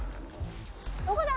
どこだ？